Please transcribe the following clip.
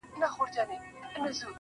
• زه زما او ستا و دښمنانو ته.